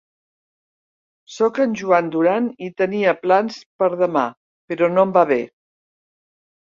Soc en Joan Duran i tenia plans per demà, però no em va bé.